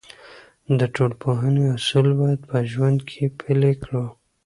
د ټولنپوهنې اصول باید په ژوند کې پلي کړو.